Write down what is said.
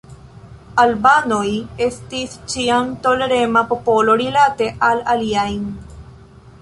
Albanoj estis ĉiam tolerema popolo rilate la aliajn.